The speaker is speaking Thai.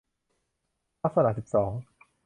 ลักษณะสิบสอง